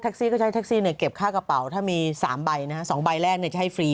ก็ใช้แท็กซี่เก็บค่ากระเป๋าถ้ามี๓ใบนะฮะ๒ใบแรกจะให้ฟรี